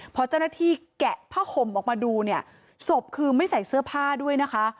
พอเจ้าหน้าที่แกะผ้าห่มออกมาดูเนี่ยศพคือไม่ใส่เสื้อผ้าด้วยนะคะ